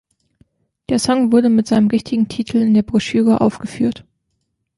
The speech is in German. Der Song wurde mit seinem richtigen Titel in der Broschüre aufgeführt.